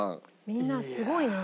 みんなすごいなあ。